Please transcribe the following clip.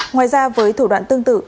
ngoài ra với thủ đoạn tương tự